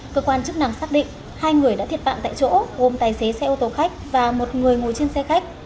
cơ quan chức năng xác định hai người đã thiệt mạng tại chỗ gồm tài xế xe ô tô khách và một người ngồi trên xe khách